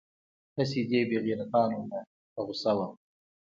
هسې دې بې غيرتانو له په غوسه وم.